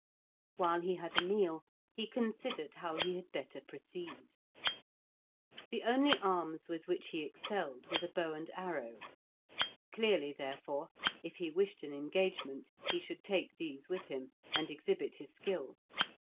While he had a meal he considered how he had better proceed. The only arms with which he excelled were the bow and arrow; clearly, therefore, if he wished an engagement, he should take these with him, and exhibit his skill.